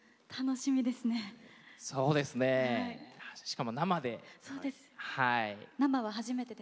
しかも生で。